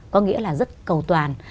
có nghĩa là rất cầu toàn